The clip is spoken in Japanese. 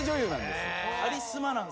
カリスマなんすね？